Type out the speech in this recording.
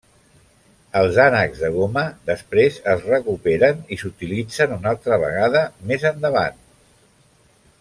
Els ànecs de goma després es recuperen i s'utilitzen una altra vegada més endavant.